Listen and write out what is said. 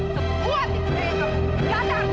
semua pikiran edo nggak ada artinya lagi